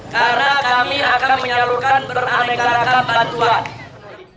karena kami akan menyalurkan beramai karaka bantuan